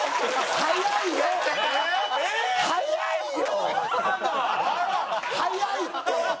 早いって！